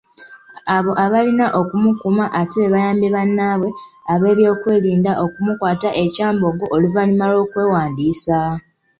Abo abalina okumukuuma ate be baayambye bannaabwe ab'ebyokerinda okumukwata e Kyambogo oluvannyuma lw'okwewandiisa.